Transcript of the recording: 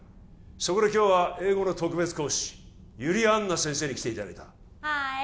そこで今日は英語の特別講師由利杏奈先生に来ていただいたハーイ！